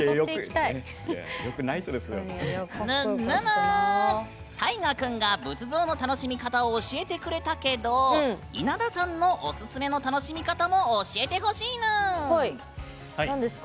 たいがくんが仏像の楽しみ方を教えてくれたけど稲田さんのおすすめの楽しみ方も教えてほしいぬーん。